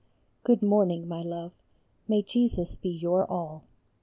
Good morning, my love. May Jesus be your all.